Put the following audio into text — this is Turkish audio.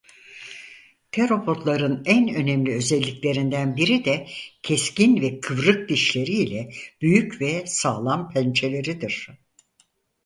Teropodların en önemli özelliklerinden biri de keskin ve kıvrık dişleri ile büyük ve sağlam pençeleridir.